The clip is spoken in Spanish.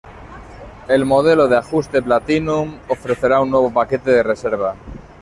El modelo de ajuste Platinum ofrecerá un nuevo paquete de reserva.